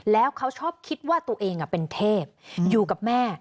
แล้วเขาชอบคิดว่าตัวเองเป็นเทพอยู่กับแม่